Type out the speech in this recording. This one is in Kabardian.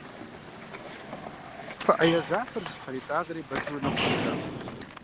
ПыӀэ яжьафэр зыщхьэритӀагъэри Батыр унэм къыщӀэкӀащ.